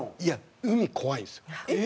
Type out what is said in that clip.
海怖いんですよ。えっ？